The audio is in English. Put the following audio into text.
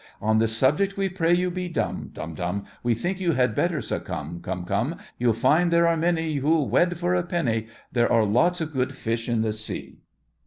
On this subject we pray you be dumb— Dumb—dumb! We think you had better succumb— Cumb—cumb! You'll find there are many Who'll wed for a penny, There are lots of good fish in the sea.